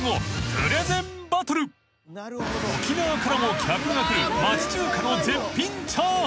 ［沖縄からも客が来る町中華の絶品チャーハン］